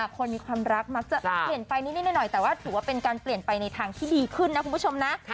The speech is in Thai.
คนมีความรักมักจะเปลี่ยนไปนิดหน่อยแต่ว่าถือว่าเป็นการเปลี่ยนไปในทางที่ดีขึ้นนะคุณผู้ชมนะ